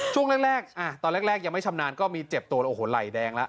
ช่วงแรกตอนแรกยังไม่ชำนาญก็มีเจ็บตัวโอ้โหไหล่แดงแล้ว